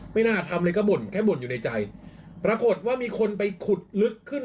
ไม่น่าทำอะไรก็บ่นแค่บ่นอยู่ในใจปรากฏว่ามีคนไปขุดลึกขึ้น